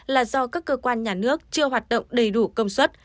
là do các cơ quan nhà nước chưa hoạt động đầy đủ công suất